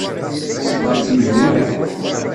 Ṣebbret Mhenni.